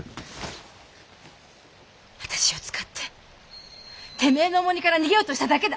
私を使っててめえの重荷から逃げようとしただけだ。